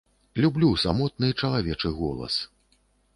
Люблю самотны чалавечы голас.